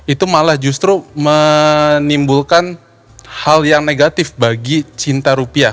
itu malah justru menimbulkan hal yang negatif bagi cinta rupiah